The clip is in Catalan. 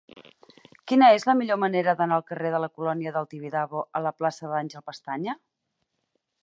Quina és la millor manera d'anar del carrer de la Colònia del Tibidabo a la plaça d'Àngel Pestaña?